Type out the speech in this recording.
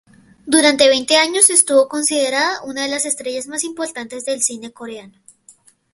Durante veinte años estuvo considerada una de las estrellas más importantes del cine coreano.